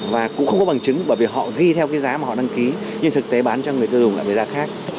và cũng không có bằng chứng bởi vì họ ghi theo cái giá mà họ đăng ký nhưng thực tế bán cho người tiêu dùng lại với giá khác